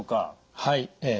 はい。